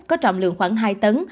có trọng lượng khoảng hai tấn